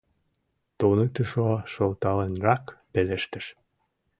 — туныктышо шылталенрак пелештыш.